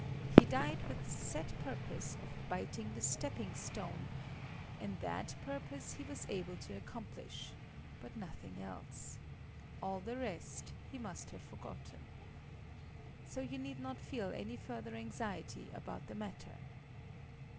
He died with the set purpose of biting the stepping stone; and that purpose he was able to accomplish, but nothing else. All the rest he must have forgotten... So you need not feel any further anxiety about the matter."